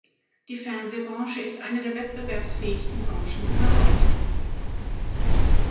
Die Fernsehbranche ist eine der wettbewerbsfähigsten Branchen überhaupt.